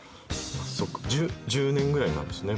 そっか１０年くらいになるんですね